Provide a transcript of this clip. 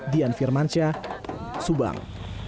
dian firmansyah subang